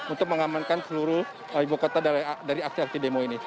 untuk mengamankan seluruh ibu kota dari aksi aksi demo ini